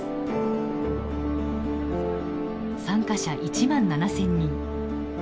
参加者１万７，０００人。